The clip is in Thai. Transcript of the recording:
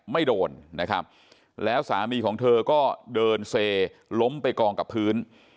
ไม่โดนนะครับแล้วสามีของเธอก็เดินเซล้มไปกองกับพื้น